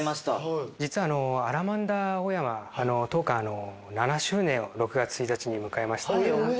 実はアラマンダ青山当館７周年を６月１日に迎えました。